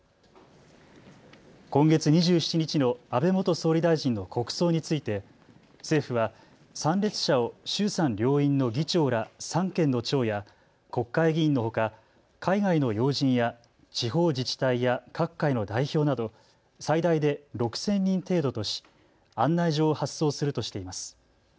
今月２７日の安倍元総理大臣の国葬について、政府は参列者を衆参両院の議長ら三権の長や国会議員のほか海外の要人や地方自治体や各界の代表など最大で６０００人程度とし案内状を発送するとしています。